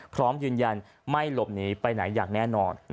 พร้อมยืนยันไม่หลบหนีไปไหนอย่างแน่นอน